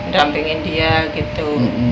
dampingin dia gitu